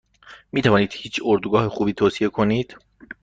میتوانید هیچ اردوگاه خوبی توصیه کنید؟